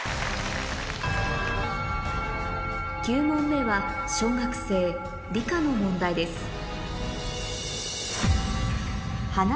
９問目は小学生の問題です